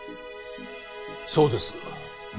そうです。